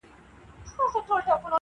• د مور په نس کي د پیرانو پیر وو -